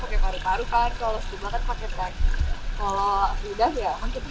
kalau free dive ya mungkin harus kelah tahan nafas aja sih